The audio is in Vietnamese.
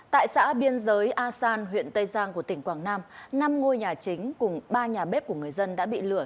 tại xã biên giới a san huyện tây giang của tỉnh quảng nam năm ngôi nhà chính cùng ba nhà bếp của người dân đã bị lửa